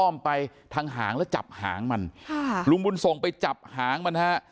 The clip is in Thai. อ้อมไปทางหางแล้วจับหางมันค่ะลุงบุญส่งไปจับหางมันฮะ